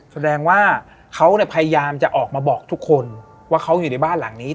แสดงว่าเขาพยายามจะออกมาบอกทุกคนว่าเขาอยู่ในบ้านหลังนี้